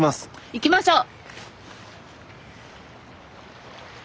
行きましょう！